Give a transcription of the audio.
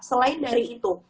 selain dari itu